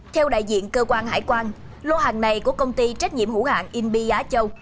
theo đại diện cơ quan hải quan lô hàng này của công ty trách nhiệm hữu hạng inb giá châu